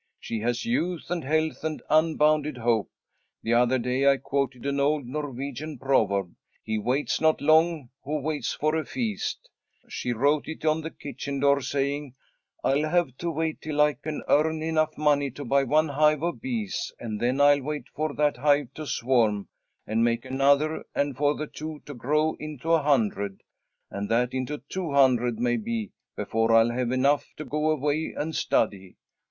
"She has youth and health and unbounded hope. The other day I quoted an old Norwegian proverb, 'He waits not long who waits for a feast.' She wrote it on the kitchen door, saying, 'I'll have to wait till I can earn enough money to buy one hive of bees, and then I'll wait for that hive to swarm and make another, and for the two to grow into a hundred, and that into two hundred maybe, before I'll have enough to go away and study.